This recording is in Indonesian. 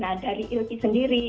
nah dari ilky sendiri